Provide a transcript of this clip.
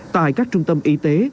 tại các trung tâm y tế